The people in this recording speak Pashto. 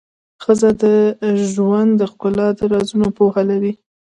ښځه د ژوند د ښکلا د رازونو پوهه لري.